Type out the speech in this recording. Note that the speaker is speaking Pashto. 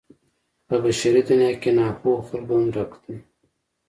په بشري دنيا کې ناپوهو خلکو هم ډک دی.